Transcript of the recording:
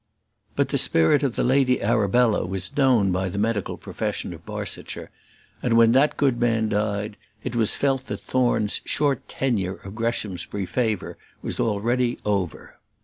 But the spirit of the Lady Arabella was known by the medical profession of Barsetshire, and when that good man died it was felt that Thorne's short tenure of Greshamsbury favour was already over.